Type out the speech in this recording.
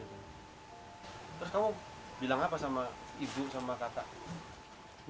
terus kamu bilang apa sama ibu sama kakak